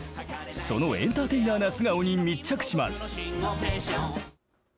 そのエンターテイナーな素顔に密着します。